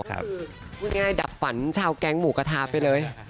ก็คือดับฝันชาวแก๊งหมูกระทาไปเลย